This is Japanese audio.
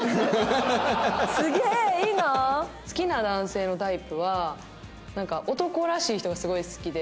好きな男性のタイプは男らしい人がすごい好きで。